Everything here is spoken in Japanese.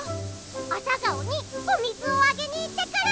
アサガオにおみずをあげにいってくる！